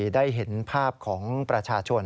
ได้เห็นภาพของประชาชน